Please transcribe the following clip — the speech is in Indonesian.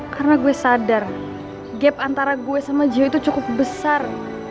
karena gue sadar gap antara gue sama jiho itu cukup besar